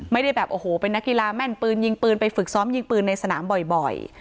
ไม่ได้แบบโอ้โหเป็นนักกีฬาแม่นปืนยิงปืนไปฝึกซ้อมยิงปืนในสนามบ่อย